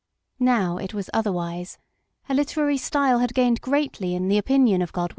Now it was otherwise; her literary style had gained greatly in the opinion of God 14 MRS.